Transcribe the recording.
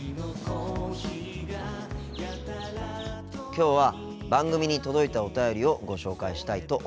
きょうは番組に届いたお便りをご紹介したいと思います。